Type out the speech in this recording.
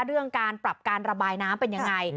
เรื่องการปรับการระบายน้ำเป็นยังไง